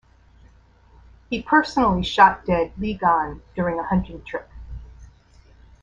He personally shot dead Li Gan during a hunting trip.